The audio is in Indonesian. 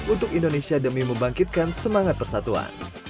untuk indonesia demi membangkitkan semangat persatuan